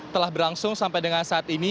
telah berlangsung sampai dengan saat ini